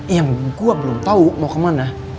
yang gue belum tahu mau kemana